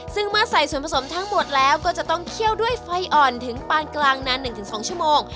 ซึ่งเมื่อใส่ส่วนผสมทั้งหมดแล้วก็จะต้องเคี่ยวด้วยไฟอ่อนถึงปานกลางนาน๑๒ชั่วโมง